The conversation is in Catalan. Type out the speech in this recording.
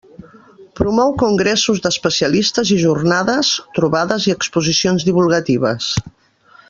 Promou congressos d'especialistes i jornades, trobades i exposicions divulgatives.